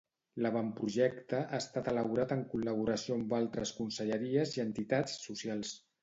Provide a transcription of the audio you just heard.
L'avantprojecte ha estat elaborat en col·laboració amb altres conselleries i entitats socials.